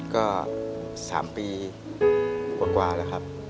ก็๓ปีกว่าแล้วครับ